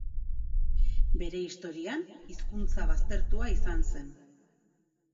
Bere historian hizkuntza baztertua izan zen.